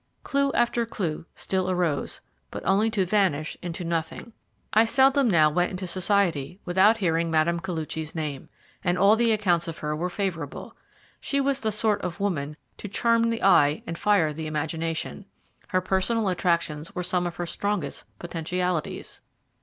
Clue after clue still arose, but only to vanish into nothing. I seldom now went into society without hearing Mme. Koluchy's name, and all the accounts of her were favourable. She was the sort of woman to charm the eye and fire the imagination. Her personal attractions were some of her strongest potentialities.